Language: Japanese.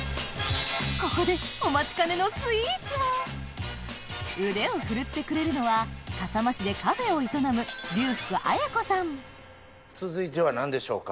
ここで腕を振るってくれるのは笠間市でカフェを営む続いては何でしょうか？